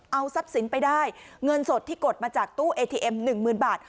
เอาทรัพย์สินไปได้เงินสดที่กดมาจากตู้เอทีเอ็มหนึ่งหมื่นบาท